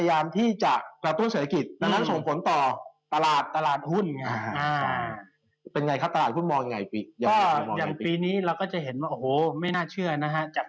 อันที่๔ไม่ถึงเป็นนี่นะครับ